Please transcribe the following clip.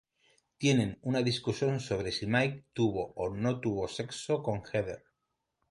Tienen una discusión sobre si Mickey tuvo o no tuvo sexo con Heather.